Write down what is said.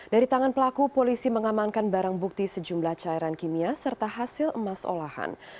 dari tangan pelaku polisi mengamankan barang bukti sejumlah cairan kimia serta hasil emas olahan